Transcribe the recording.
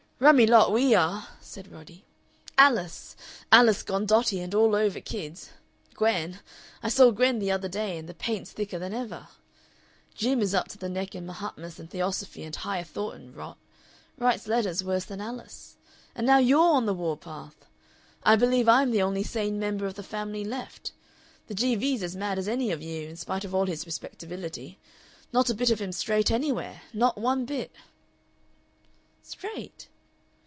"Rummy lot we are!" said Roddy. "Alice Alice gone dotty, and all over kids. Gwen I saw Gwen the other day, and the paint's thicker than ever. Jim is up to the neck in Mahatmas and Theosophy and Higher Thought and rot writes letters worse than Alice. And now YOU'RE on the war path. I believe I'm the only sane member of the family left. The G.V.'s as mad as any of you, in spite of all his respectability; not a bit of him straight anywhere, not one bit." "Straight?"